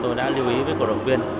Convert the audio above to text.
tôi đã lưu ý với cổ động viên